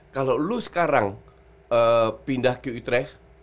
kalau lo sekarang pindah ke utrecht